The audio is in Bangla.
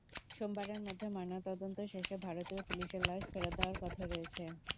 সোমবারের মধ্যে ময়নাতদন্ত শেষে ভারতীয় পুলিশের লাশ ফেরত দেওয়ার কথা রয়েছে।